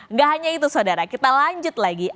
nggak hanya itu saudara kita lanjut lagi